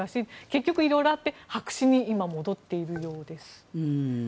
結局、色々あって白紙に今は戻っているようです。